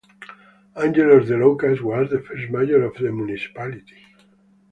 Angelos Deloukas was the first mayor of the municipality.